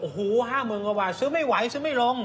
โอ้โห๕๐๐๐กว่าบาทซื้อไม่ไหวซื้อไม่ลง